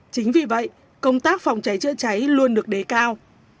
chính vì vậy công tác phòng cháy chữa cháy luôn được thực hiện